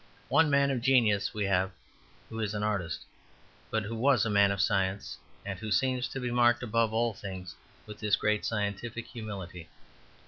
One man of genius we have who is an artist, but who was a man of science, and who seems to be marked above all things with this great scientific humility.